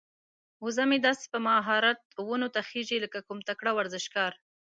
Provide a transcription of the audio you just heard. وزه مې داسې په مهارت ونو ته خيږي لکه کوم تکړه ورزشکار.